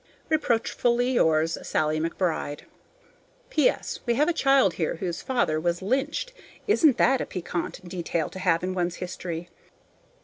Reproachfully yours, SALLIE McBRIDE. P.S. We have a child here whose father was lynched. Isn't that a piquant detail to have in one's history?